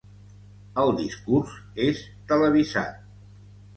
El discurs és televisat.